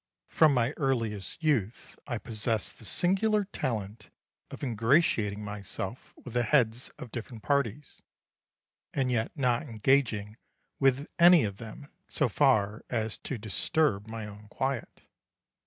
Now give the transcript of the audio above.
Atticus. From my earliest youth I possessed the singular talent of ingratiating myself with the heads of different parties, and yet not engaging with any of them so far as to disturb my own quiet.